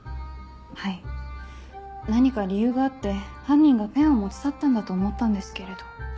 はい何か理由があって犯人がペンを持ち去ったんだと思ったんですけれど。